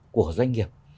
của doanh nghiệp